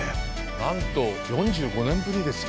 なんと、４５年ぶりですか。